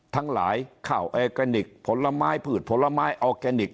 ทั้งหลายข้าวออร์แกนิคผลไม้ผืดผลไม้ออร์แกนิค